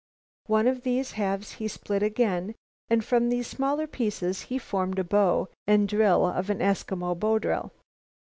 One of these halves he split again and from these smaller pieces he formed the bow and drill of an Eskimo bow drill.